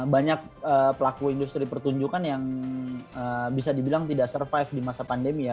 banyak pelaku industri pertunjukan yang bisa dibilang tidak survive di masa pandemi ya